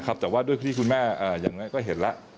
แต่ว่าด้วยที่คุณแม่อย่างน้อยก็เห็นแล้ว